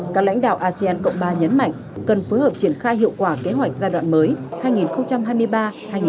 các lãnh đạo asean cộng ba nhấn mạnh cần phối hợp triển khai hiệu quả kế hoạch giai đoạn mới hai nghìn hai mươi ba hai nghìn ba mươi